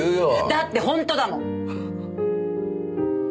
だって本当だもん。